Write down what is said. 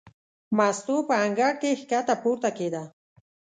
مستو په انګړ کې ښکته پورته کېده.